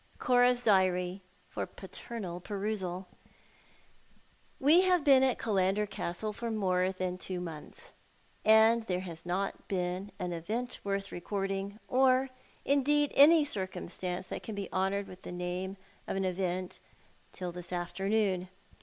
Cora's diary : for paternal perusal. We have been at Kiliaudcr Castle for more than two montliR, and there has not been an event worth recording, or, indeed, any circumstance that can bo honoured witli the name of an event, till this afternoon.